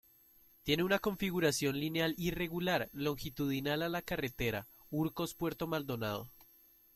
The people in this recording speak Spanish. Tiene una configuración lineal irregular, longitudinal a la carretera, Urcos Puerto Maldonado.